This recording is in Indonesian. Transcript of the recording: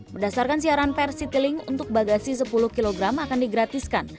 berdasarkan siaran pers citylink untuk bagasi sepuluh kg akan digratiskan